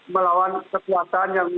melawan keseluruhan yang